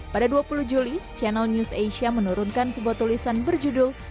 pada dua puluh juli channel news asia menurunkan sebuah tulisan berjudul